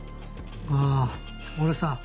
ああ俺さ